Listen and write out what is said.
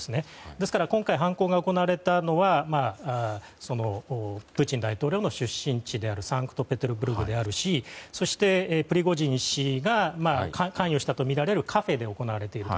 ですから今回犯行が行われたのはプーチン大統領の出身地であるサンクトペテルブルクであるしそして、プリゴジン氏が関与したとみられるカフェで行われていると。